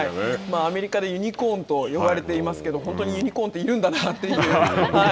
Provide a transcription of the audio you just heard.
アメリカでユニコーンと呼ばれているんですけれども本当にユニコーンっているんだなと。